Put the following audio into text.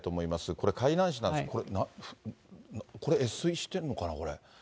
これ、海南市なんですが、これ、越水してるのかな、これ。